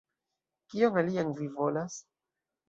Kion alian vi volas?